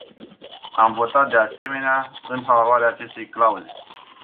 Am votat, de asemenea, în favoarea acestei clauze.